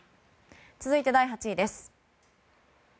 続いて第８位です。